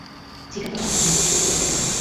ঝিকাতলা ধানমন্ডি থেকে খুব একটা দূর নয়।